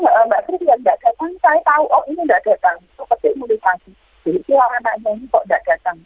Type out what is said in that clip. jadi si orang lainnya ini kok tidak datang